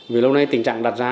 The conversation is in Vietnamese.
vì lâu nay tình trạng đặt ra